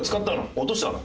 落としたの？